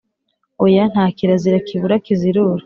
oya ntakirazira kibura kizirura"